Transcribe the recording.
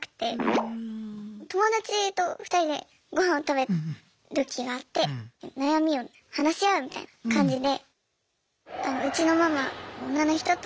友達と２人で御飯を食べるときがあって悩みを話し合うみたいな感じで。